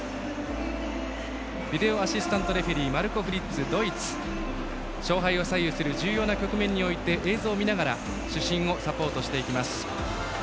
ビデオ・アシスタント・レフェリーは勝敗を左右する重要な局面において映像を見ながら主審をサポートしていきます。